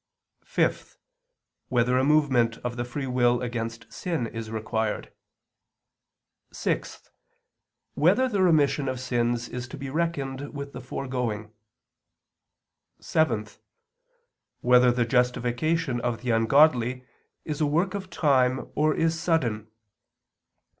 (5) Whether a movement of the free will against sin is required? (6) Whether the remission of sins is to be reckoned with the foregoing? (7) Whether the justification of the ungodly is a work of time or is sudden?